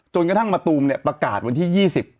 จนกระทั่งประตูมประกาศวันที่๒๐